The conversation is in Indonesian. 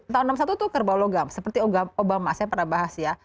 tahun seribu sembilan ratus satu itu kerbau logam seperti obama saya pernah bahas ya